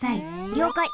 りょうかい。